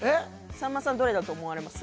さんまさんどれだと思われます？